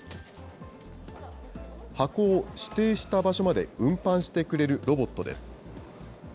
箱を指定した場所まで運搬してくれるロボットです。